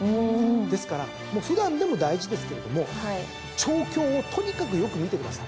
ですから普段でも大事ですけれども調教をとにかくよく見てください。